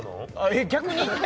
えっ逆に？